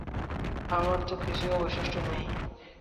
আমার তো কিছুই অবশিষ্ট নেই।